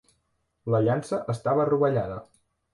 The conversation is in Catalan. La llança estava rovellada.